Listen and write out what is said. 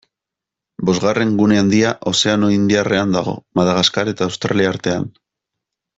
Bosgarren gune handia Ozeano Indiarrean dago, Madagaskar eta Australia artean.